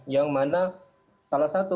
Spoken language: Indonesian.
yang mana salah satu